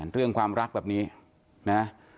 เรื่องความรักแบบนี้นะ